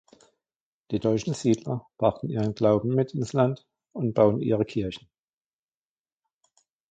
Die deutschen Siedler brachten ihren Glauben mit ins Land und bauten ihre Kirchen.